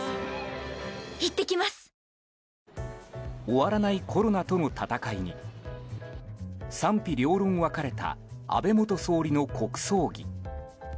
終わらないコロナとの闘いに賛否両論分かれた安倍元総理の国葬儀。